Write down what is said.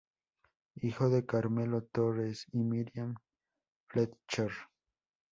Hijo de Carmelo Torres y Miriam Fletcher.